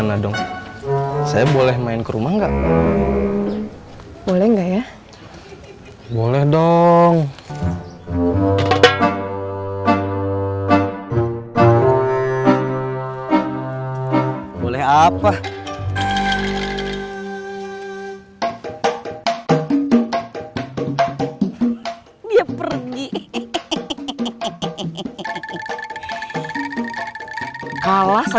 udah gak usah ngomongin dia